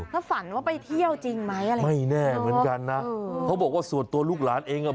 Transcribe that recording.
ถ้าฝันว่าไปเที่ยวจริงไหมอะไรไม่แน่เหมือนกันนะเขาบอกว่าส่วนตัวลูกหลานเองอ่ะ